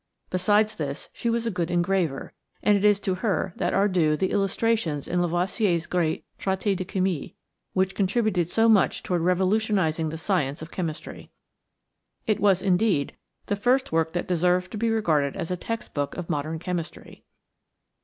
Besides this, she was a good engraver, and it is to her that are due the illustrations in Lavoisier's great Traité de Chimie, which contributed so much toward revolutionizing the science of chemistry. It was, indeed, the first work that deserved to be regarded as a textbook of modern chemistry.